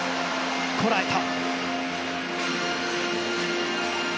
こらえた。